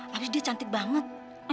habis dia cantik banget